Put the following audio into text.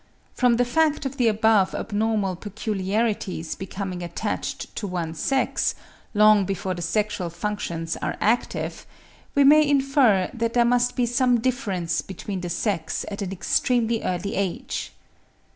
From the fact of the above abnormal peculiarities becoming attached to one sex, long before the sexual functions are active, we may infer that there must be some difference between the sexes at an extremely early age.